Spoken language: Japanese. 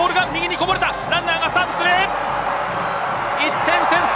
１点先制！